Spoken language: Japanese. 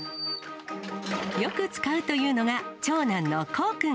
よく使うというのが、長男のこう君。